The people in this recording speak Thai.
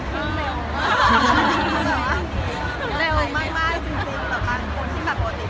แล้วเราก็มีคตกัตคนนี้